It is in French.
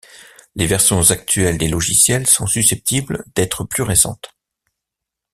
Les versions actuelles des logiciels sont susceptibles d'être plus récentes.